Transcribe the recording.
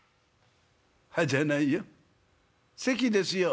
「『は？』じゃないよ。